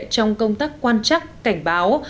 trong công tác quan trắc cảnh báo